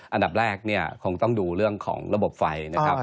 อันดับแรกเนี่ยคงต้องดูเรื่องของระบบไฟนะครับ